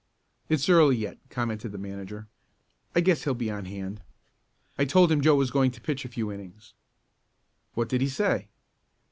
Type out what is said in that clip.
"It's early yet," commented the manager. "I guess he'll be on hand. I told him Joe was going to pitch a few innings." "What did he say?"